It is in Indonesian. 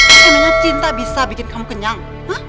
emangnya cinta bisa bikin kamu kenyang